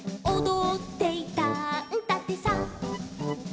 「おどっていたんだってさ」